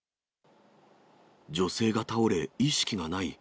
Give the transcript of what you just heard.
女性が倒れ、意識がない。